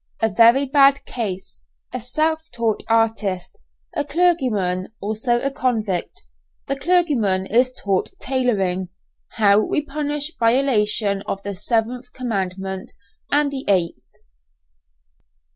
A VERY BAD CASE A SELF TAUGHT ARTIST A CLERGYMAN ALSO A CONVICT THE CLERGYMAN IS TAUGHT TAILORING HOW WE PUNISH VIOLATION OF THE SEVENTH COMMANDMENT AND THE EIGHTH.